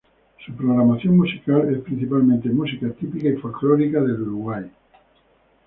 Su programación musical es principalmente música típica y folklórica del Uruguay.